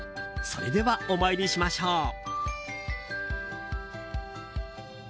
それでは、お参りしましょう。